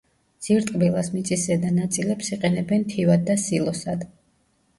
ძირტკბილას მიწისზედა ნაწილებს იყენებენ თივად და სილოსად.